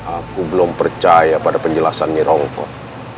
aku belum percaya pada penjelasan ngerongkok